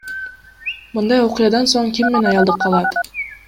Мындай окуядан соң ким мени аялдыкка алат?